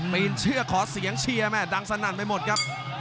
มีนเชื่อขอเสียงเชียร์แม่ดังสนั่นไปหมดครับ